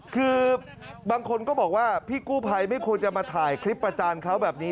คือบางคนก็บอกว่าพี่กู้ภัยไม่ควรจะมาถ่ายคลิปประจานเขาแบบนี้